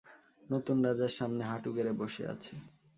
নতুন রাজার সামনে হাঁটু গেড়ে বসে আছে।